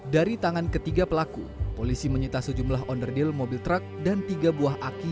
dari tangan ketiga pelaku polisi menyita sejumlah onderdil mobil truk dan tiga buah aki